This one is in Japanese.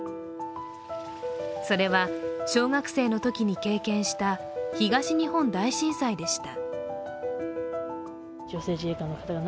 それは、小学生のときに経験した東日本大震災でした。